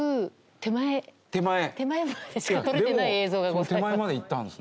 手前までしか撮れてない映像がございます。